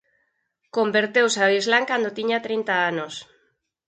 Converteuse ao islam cando tiña trinta anos.